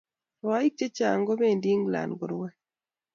Rwaik che chang ko pendi England korwae